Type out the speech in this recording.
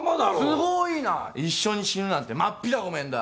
都合いいな一緒に死ぬなんて真っ平ごめんだ。